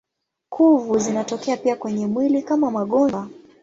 Kuvu zinatokea pia kwenye mwili kama magonjwa.